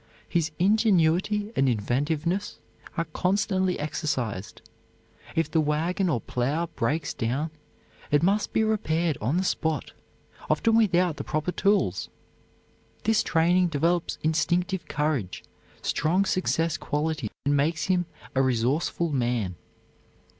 His ingenuity and inventiveness are constantly exercised. If the wagon or plow breaks down it must be repaired on the spot, often without the proper tools. This training develops instinctive courage, strong success qualities, and makes him a resourceful man.